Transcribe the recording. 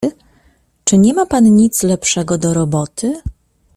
"Czy nie ma pan nic lepszego do roboty?"